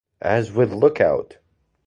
As with Look Out!